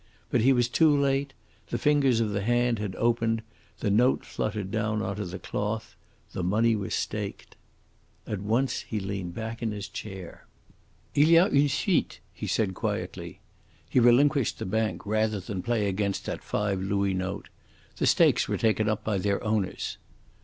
But he was too late. The fingers of the hand had opened, the note fluttered down on to the cloth, the money was staked. At once he leaned back in his chair. "Il y a une suite," he said quietly. He relinquished the bank rather than play against that five louis note. The stakes were taken up by their owners.